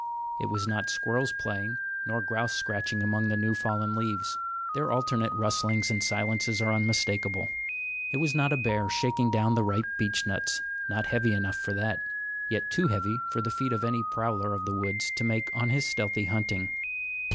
It was not squirrels playing, nor grouse scratching among the new fallen leaves. Their alternate rustlings and silences are unmistakable. It was not a bear shaking down the ripe beechnuts not heavy enough for that, yet too heavy for the feet of any prowler of the woods to make on his stealthy hunting.